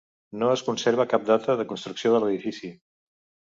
No es conserva cap data de construcció de l'edifici.